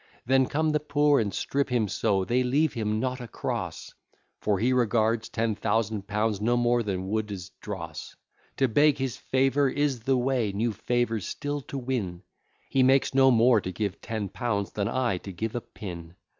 Then come the poor and strip him so, they leave him not a cross, For he regards ten thousand pounds no more than Wood's dross. To beg his favour is the way new favours still to win, He makes no more to give ten pounds than I to give a pin.